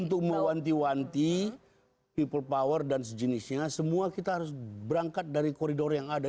untuk mewanti wanti people power dan sejenisnya semua kita harus berangkat dari koridor yang ada